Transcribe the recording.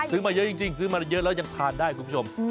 มาเยอะจริงซื้อมาเยอะแล้วยังทานได้คุณผู้ชม